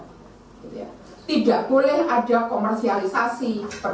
tidak boleh ada komersialisasi perguruan tinggi negeri